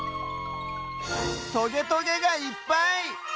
トゲトゲがいっぱい！